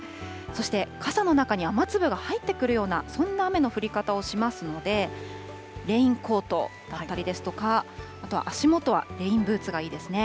そして傘の中に雨粒が入ってくるような、そんな雨の降り方をしますので、レインコートだったりですとか、あとは足元はレインブーツがいいですね。